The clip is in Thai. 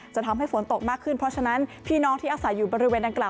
จะทำให้ฝนตกมากขึ้นเพราะฉะนั้นพี่น้องที่อาศัยอยู่บริเวณดังกล่า